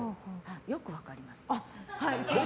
よく分かりますね。